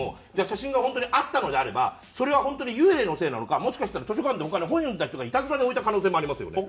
写真が本当にあったのであればそれは本当に幽霊のせいなのかもしかしたら図書館で他に本読んでた人がいたずらで置いた可能性もありますよね。